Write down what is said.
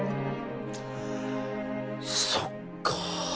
そっか